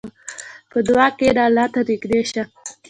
په دعا کښېنه، الله ته نږدې شه.